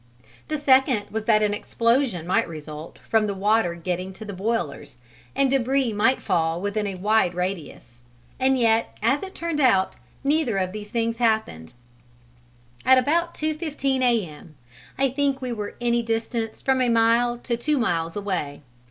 The second was that an explosion might result from the water getting to the boilers, and dèbris might fall within a wide radius. And yet, as it turned out, neither of these things happened. At about 2.15 A.M. I think we were any distance from a mile to two miles away.